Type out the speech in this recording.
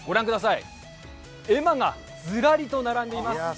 ください絵馬がずらりと並んでいます。